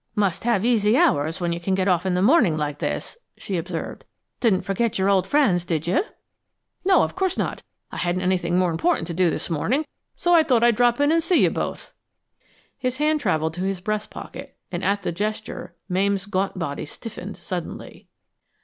"Must have easy hours, when you can get off in the morning like this?" she observed. "Didn't forget your old friends, did you?" "No, of course not. I hadn't anything more important to do this morning, so I thought I'd drop in and see you both." His hand traveled to his breast pocket, and at the gesture, Mame's gaunt body stiffened suddenly.